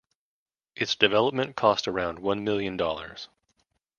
Its development cost around one million dollars.